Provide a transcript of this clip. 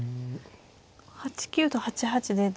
８九と８八で。